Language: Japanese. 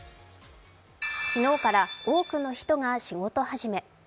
昨日から多くの人が仕事始め。